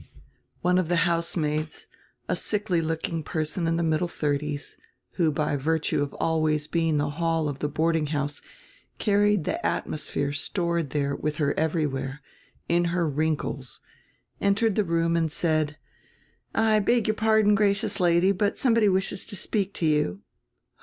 One of die housemaids, a sickly looking person in die middle thirties, who by virtue of always being in die hall of die boarding house carried die atmosphere stored diere widi her everywhere, in her wrinkles, entered die room and said: "I beg your pardon, gracious Lady, but somebody wishes to speak to you."